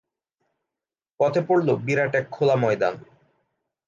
পথে পড়ল বিরাট এক খোলা ময়দান।